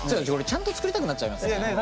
ちゃんと作りたくなっちゃいますよね。